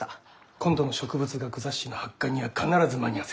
今度の植物学雑誌の発刊には必ず間に合わせると。